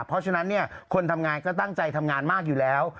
เพราะฉะนั้นคนทำงานก็ตั้งใจทำงานมากอยู่แล้ว